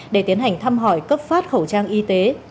để tiến hành thăm hỏi cấp phát khẩu trang y tế